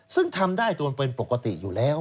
ซึ่งทำได้ตัวมันเป็นปกติอยู่แล้ว